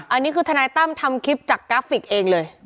อันนี้คือทนายตั้มทำคลิปจากกราฟิกเองเลย